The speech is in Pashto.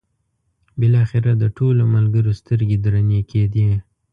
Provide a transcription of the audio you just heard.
بالاخره د ټولو ملګرو سترګې درنې کېدې.